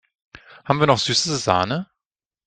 Haben wir noch süße Sahne?